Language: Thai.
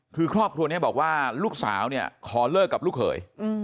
คือครอบครัวนี้บอกว่าลูกสาวเนี่ยขอเลิกกับลูกเขย